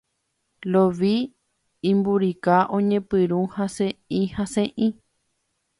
Lovi, imburika oñepyrũ hasẽ'ihasẽ'i.